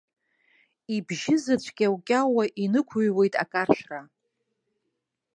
Ибжьызаҵә кьаукьаууа инықәыҩуеит акаршәра.